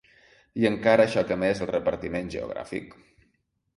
I encara xoca més el repartiment geogràfic.